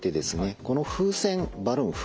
この風船バルーン風船ですね